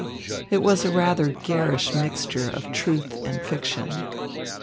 It was a rather garish mixture of truth and fiction.